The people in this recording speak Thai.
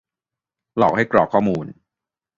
- หลอกให้กรอกข้อมูล